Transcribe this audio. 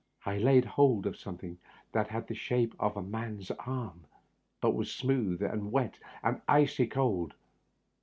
I laid hold of something that had the shape of a man's arm, but was smooth, and wet, and icy cold.